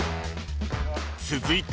［続いて］